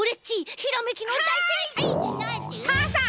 さあさあ